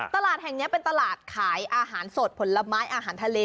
ตลาดแห่งนี้เป็นตลาดขายอาหารสดผลไม้อาหารทะเล